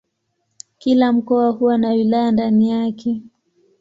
Kila mkoa huwa na wilaya ndani yake.